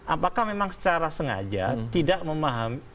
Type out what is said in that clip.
apakah memang secara sengaja tidak memahami